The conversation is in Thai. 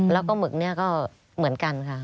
แล้วก็หมึกเนี่ยก็เหมือนกันค่ะ